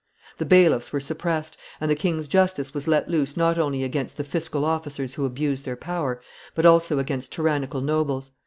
The bailiffs were suppressed, and the king's justice was let loose not only against the fiscal officers who abused their power, but also against tyrannical nobles.